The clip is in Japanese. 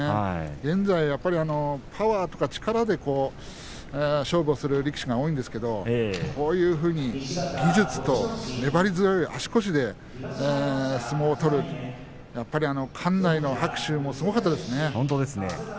現在、パワーとか力で勝負をする力士が多いんですがこのように技術と粘り強い足腰で相撲を取るやはり館内の拍手もすごかったですよね。